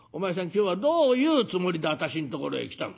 今日はどういうつもりで私んところへ来たの？」。